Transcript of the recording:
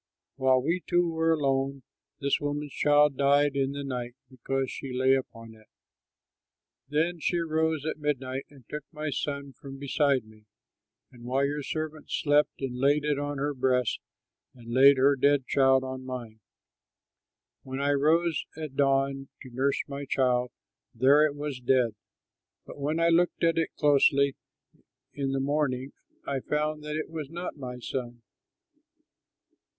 While we two were alone this woman's child died in the night, because she lay upon it. "Then she rose at midnight and took my son from beside me, while your servant slept, and laid it on her breast and laid her dead child on mine. When I rose at dawn to nurse my child, there it was dead; but when I looked at it closely in the morning, I found that it was not my son."